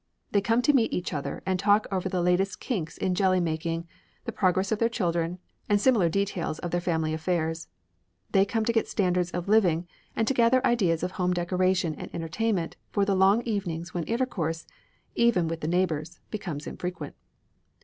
They come to meet each other and talk over the latest kinks in jelly making, the progress of their children, and similar details of their family affairs. They come to get standards of living and to gather ideas of home decoration and entertainment for the long evenings when intercourse, even with the neighbours, becomes infrequent.